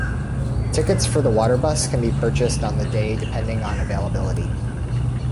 Tickets for the Waterbus can be purchased on the day depending on availability.